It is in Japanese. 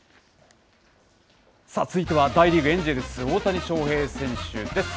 続いては、大リーグ・エンジェルス、大谷翔平選手です。